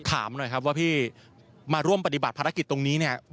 ถามหน่อยครับว่าพี่มาร่วมปฏิบัติภารกิจตรงนี้เนี่ย